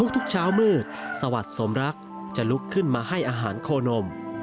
ทุกเช้ามืดสวัสดิ์สมรักจะลุกขึ้นมาให้อาหารโคนม